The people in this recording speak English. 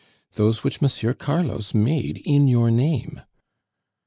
"Those which Monsieur Carlos made in your name."